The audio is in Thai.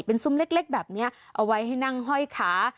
เป็นซุ้มเล็กแบบนี้เอาไว้ให้นั่งห้อยขา